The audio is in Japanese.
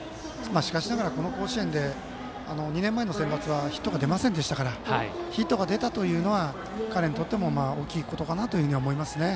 しかしながら、この甲子園で２年前のセンバツはヒットが出ませんでしたからヒットが出たのは、彼にとっても大きいことかなとは思いますね。